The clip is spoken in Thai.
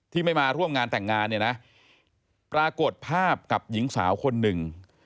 ที่ไม่มาร่วมงานแต่งงานเนี่ยนะปรากฏภาพกับหญิงสาวคนหนึ่ง